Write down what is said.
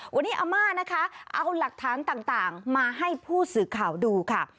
วันนี้อาม่านะคะเอาหลักฐานต่างมาให้ผู้สื่อข่าวดูค่ะ